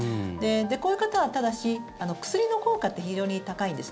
こういう方はただし薬の効果って非常に高いんです。